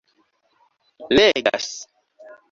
legas